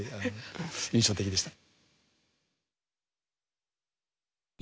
印象的でした。